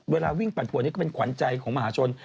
เวลาวิ่งปั่นปวดนี้ก็เป็นขวัญใจของมหาชน